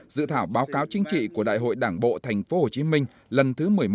dự thảo báo cáo chính trị của đại hội đảng bộ thành phố hồ chí minh lần thứ một mươi một